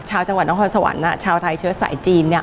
ชาวจังหวัดนครสวรรค์ชาวไทยเชื้อสายจีนเนี่ย